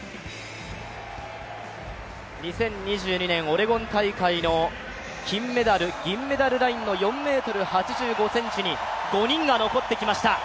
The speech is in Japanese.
２０２２年オレゴン大会の金メダル、銀メダルラインの４ｍ８５ｃｍに５人が残ってきました。